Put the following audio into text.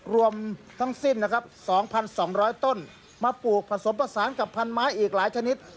รวมทั้งสิ้นนะครับ๒๒๐๐ต้นมาปลูกผสมผสานกับพันไม้อีกหลายชนิด